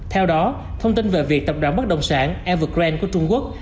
theo đó thông tin về việc tập đoàn bất đồng sản evergrande của trung quốc